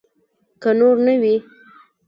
که نور نه وي.